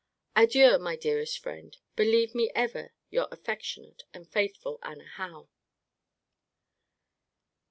Adieu, my dearest friend. Believe me ever Your affectionate and faithful ANNA HOWE.